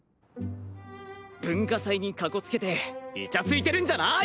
文化祭にかこつけてイチャついてるんじゃない！